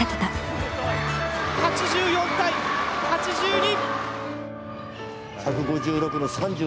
８４対８２！